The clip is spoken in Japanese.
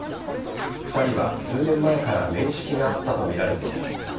２人は、数年前から面識があったとみられています。